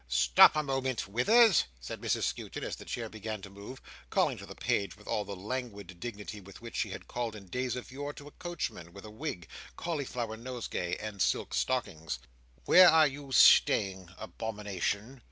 "Stop a moment, Withers!" said Mrs Skewton, as the chair began to move; calling to the page with all the languid dignity with which she had called in days of yore to a coachman with a wig, cauliflower nosegay, and silk stockings. "Where are you staying, abomination?"